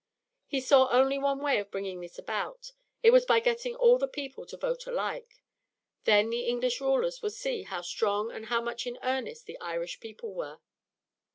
He saw only one way of bringing this about. It was by getting all the people to vote alike. Then the English rulers would see how strong and how much in earnest the Irish people were.